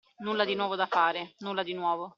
Nulla di nuovo da fare, nulla di nuovo.